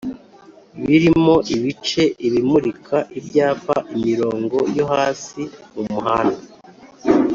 birimo ibice ibimurika-ibyapa ,imirongo yo hasi mumuhanda